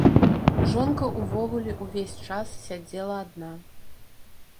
Жонка ўвогуле ўвесь час сядзела адна.